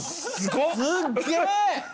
すっげぇ！